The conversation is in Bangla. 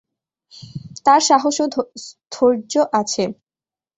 তার সাহস ও স্থৈর্য আছে।